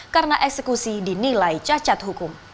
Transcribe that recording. karena eksekusi dinilai cacat hukum